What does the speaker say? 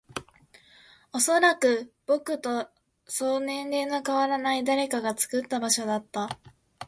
おそらく、僕らとそう年齢の変わらない誰かが作った場所だった